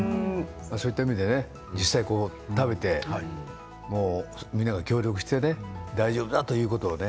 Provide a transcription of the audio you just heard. そういった意味でね、実際食べてみんなが協力して大丈夫だということをね